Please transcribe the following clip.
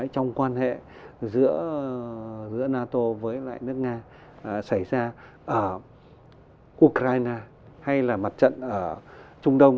trong quan hệ giữa nato với lại nước nga xảy ra ở ukraine hay là mặt trận ở trung đông